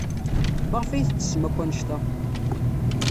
Maɣef ay tettessem akk anect-a?